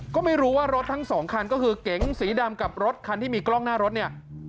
ก็ไม่รู้ว่ารถทั้งสองคันก็คือเก๋งสีดำกับรถคันที่มีกล้องหน้ารถเนี่ย